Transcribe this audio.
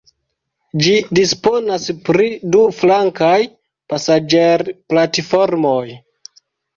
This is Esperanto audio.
Ĝi disponas pri du flankaj pasaĝerplatformoj.